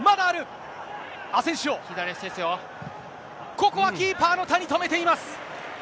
ここはキーパーの谷、止めています。